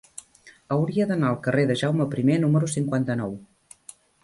Hauria d'anar al carrer de Jaume I número cinquanta-nou.